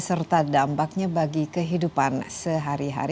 serta dampaknya bagi kehidupan sehari hari